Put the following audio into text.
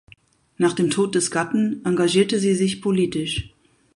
Nach dem Tod des Gatten engagierte sie sich politisch.